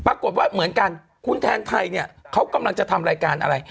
ปรากฏว่าเหมือนกันคุณแทนไทยเนี่ยเขากำลังจะทำรายการอะไร